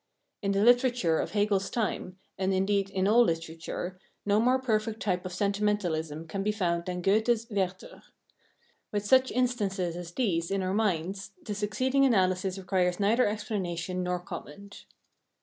In the literature of Hegel's time, and indeed in all literature, no more perfect type of sentimentalism can be found than Goethe's Werther. With such instances as these in our minds the succeeding analysis requires neither explanation nor comment.